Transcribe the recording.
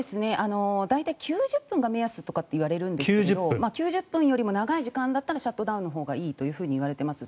大体、９０分が目安といわれるんですけど９０分よりも長い時間だったらシャットダウンのほうがいいといわれています。